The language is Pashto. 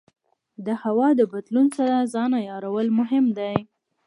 د هوا د بدلون سره ځان عیارول مهم دي.